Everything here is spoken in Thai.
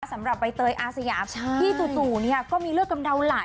สำหรับใบเตยอาสยามที่จู่เนี่ยก็มีเลือดกำเดาไหล